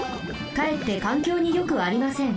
かえってかんきょうによくありません。